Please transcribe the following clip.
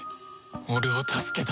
俺を助けた